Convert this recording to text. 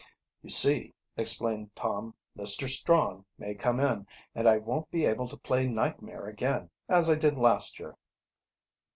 "You see," explained Tom, "Mr. Strong may come in, and I won't be able to play nightmare again, as I did last year."